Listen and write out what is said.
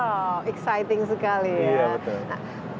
wow exciting sekali ya